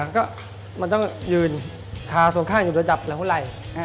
ตั้งกาดหรอก็มันต้องยืนขาส่วนข้างอยู่ระดับหลังหัวไหล่